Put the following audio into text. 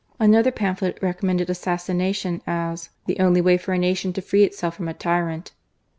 Another pamphlet recommended assassination as "the only way for a nation to free itself from a tyrant."